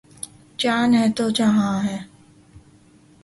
جان ہے تو جہان ہے